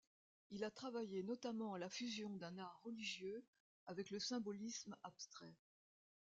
Il a travaillé notamment à la fusion d'un art religieux avec le symbolisme abstrait.